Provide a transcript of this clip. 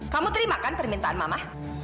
kamu terima kan permintaan mama